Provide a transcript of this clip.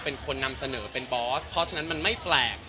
เป็นคนนำเสนอเป็นบอสเพราะฉะนั้นมันไม่แปลก